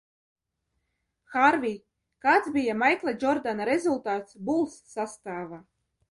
"Hārvij, kāds bija Maikla Džordana rezultāts "Bulls" sastāvā?"